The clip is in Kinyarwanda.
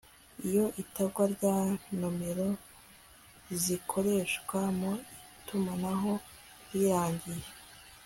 iyo itangwa rya nomero zikoreshwa mu itumanaho rirangiye